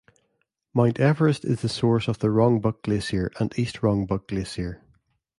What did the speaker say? Mount Everest is the source of the Rongbuk Glacier and East Rongbuk Glacier.